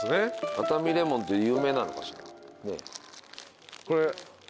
熱海レモンって有名なのかしら。